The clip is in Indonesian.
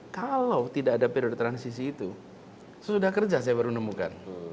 kalau tidak ada periode transisi itu sudah kerja saya baru nemukan